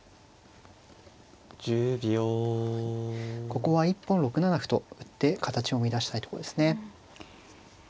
ここは一本６七歩と打って形を乱したいとこですね。